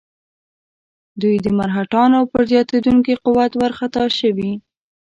دوی د مرهټیانو پر زیاتېدونکي قوت وارخطا شوي.